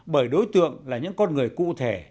bởi đối tượng là những con người cụ thể